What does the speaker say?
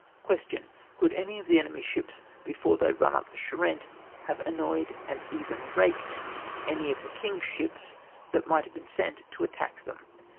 Question. —" Could any of the enemy's ships before they run up the Charente have annoyed and raked (//)any of the king's shijjs that might have been sent to attack them